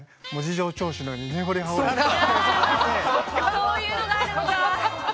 そういうのがあるのか！